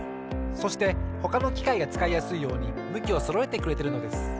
そしてほかのきかいがつかいやすいようにむきをそろえてくれてるのです。